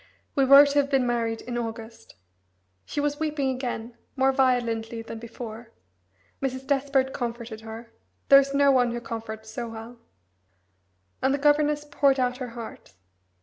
We were to have been married in August." She was weeping again, more violently than before; Mrs. Despard comforted her there is no one who comforts so well and the governess poured out her heart.